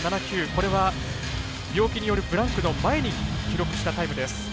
これは病気によるブランクの前に記録したタイムです。